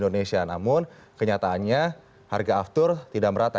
namun kenyataannya harga aftur tidak merata